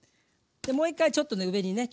でもう一回ちょっと上にね